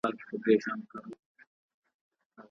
تعليم د ژوند تجربې رانغاړي.